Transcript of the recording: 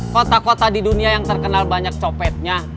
kota kota di dunia yang terkenal banyak copetnya